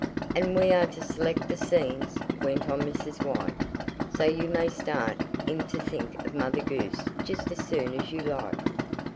"And we are to select the scenes," went on Mrs. White, "so you may start in to think of Mother Goose just as soon as you like.